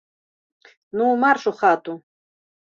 Ну, марш у хату.